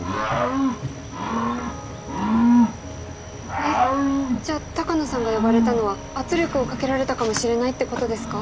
えっじゃあ鷹野さんが呼ばれたのは圧力をかけられたかもしれないってことですか？